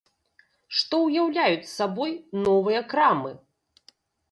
Што ўяўляюць сабой новыя крамы?